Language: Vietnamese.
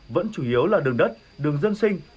vẫn chủ yếu là đường đất đường dân sinh